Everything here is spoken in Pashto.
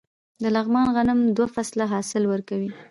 د لغمان غنم دوه فصله حاصل ورکوي.